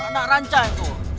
aduh anak ranca itu